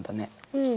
うん。